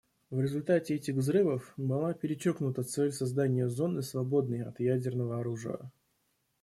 В результате этих взрывов была перечеркнута цель создания зоны, свободной от ядерного оружия.